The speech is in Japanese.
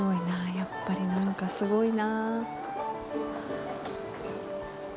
やっぱりなんか、すごいな。